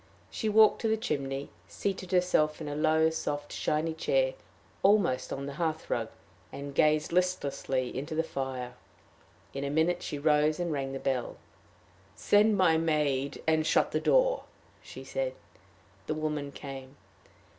She walked to the chimney, seated herself in a low, soft, shiny chair almost on the hearth rug, and gazed listlessly into the fire. In a minute she rose and rang the bell. "Send my maid, and shut the door," she said. The woman came.